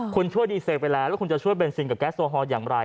คุณช่วยดีเซลไปแล้วแล้วคุณจะช่วยเบนซินกับแก๊สโอฮอลอย่างไร